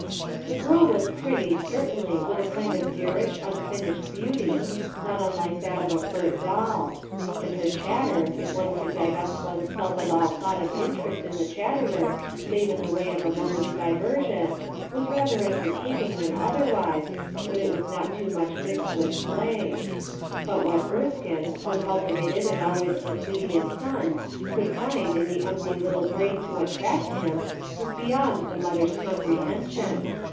The girl was pretty, certainly, with a kind of WOULD SHE "DO"? 51 garish, unfinished beauty, not unlike that of a pert doll; and her chatter, if one could divest one's self of all thought of interest in the chat terer save in the way of a moment's diversion, was rather entertaining than otherwise, when it was not too much mixed with slang; but what Erskinc, her cultivated and always fastid ious son, could find in the empty little brain to attract him was beyond the mother's compre hension.